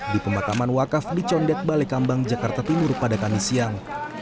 di pemakaman wakaf di condet balai kambang jakarta timur pada kamis siang